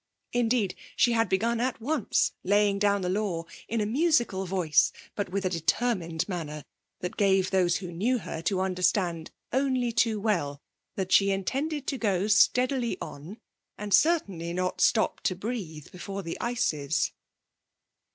Indeed, she had begun at once laying down the law in a musical voice but with a determined manner that gave those who knew her to understand only too well that she intended to go steadily on, and certainly not to stop to breathe before the ices.